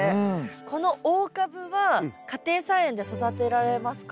この大カブは家庭菜園で育てられますか？